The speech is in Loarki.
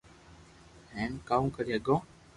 ھين ڪاو ڪري ھگو